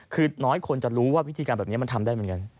คือน้อยคนจะรู้ว่าวิธีการแบบนี้มันทำได้เหมือนกัน